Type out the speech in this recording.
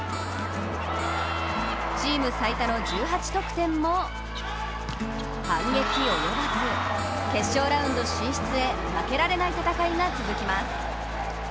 チーム最多の１８得点も反撃及ばず、決勝ラウンド進出へ、負けられない戦いが続きます。